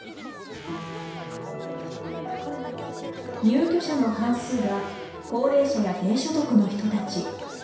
入居者の半数が高齢者や低所得の人たち。